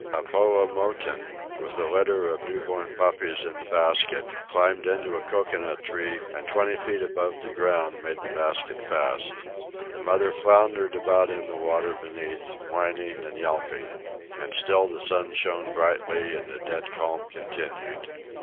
A Paumotan, with a litter of new born puppies in a basket, climbed into a cocoanut tree and twenty feet above the ground made the basket fast. The mother floundered about in the water beneath, whining and yelping. And still the sun shone brightly and the dead calm continued.